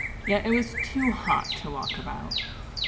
Yet it was too hot to walk about.